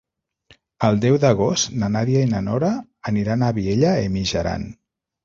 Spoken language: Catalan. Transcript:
El deu d'agost na Nàdia i na Nora aniran a Vielha e Mijaran.